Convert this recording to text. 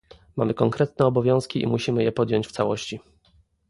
Mamy konkretne obowiązki i musimy je podjąć w całości